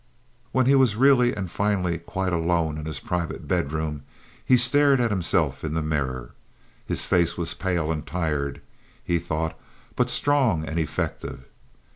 When he was really and finally quite alone in his private bedroom he stared at himself in the mirror. His face was pale and tired, he thought, but strong and effective.